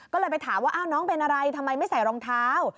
ก็เลยไปถามว่าน้องเป็นอะไรทำไมไม่ใส่รองเท้า